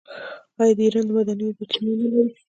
آیا ایران د معدني اوبو چینې نلري؟